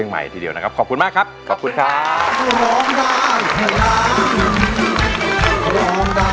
ร้องได้ไฮไลน์ลูกทุ่งสู้